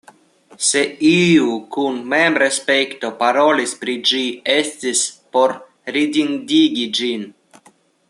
Se iu kun memrespekto parolis pri ĝi, estis por ridindigi ĝin.